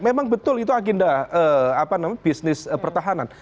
memang betul itu agenda bisnis pertahanan